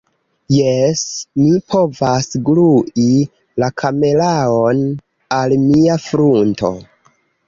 Jes, mi povas glui la kameraon al mia frunto